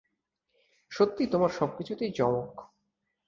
সত্যিই তোমার সবকিছুতেই চমক।